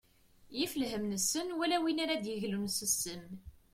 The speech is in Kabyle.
Yif lhem nessen wala win ara d-yeglun s ssem.